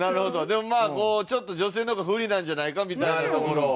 でもまあ女性の方が不利なんじゃないかみたいなところ。